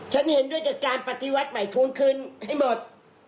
ฉันเห็นด้วยจากการปฏิวัติใหม่ทวงคืนให้หมด